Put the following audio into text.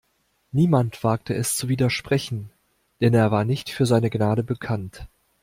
Niemand wagte es zu widersprechen, denn er war nicht für seine Gnade bekannt.